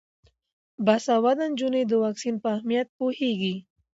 باسواده نجونې د واکسین په اهمیت پوهیږي.